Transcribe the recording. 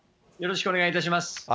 よろしくお願いします。